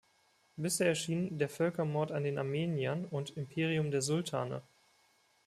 Bisher erschienen "Der Völkermord an den Armeniern" und "Imperium der Sultane.